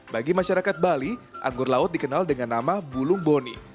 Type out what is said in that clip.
bagi masyarakat bali anggur laut dikenal dengan nama bulung boni